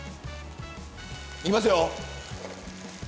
いきますよ！